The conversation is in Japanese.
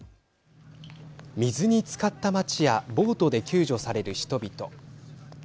水につかった街やボートで救助される人々。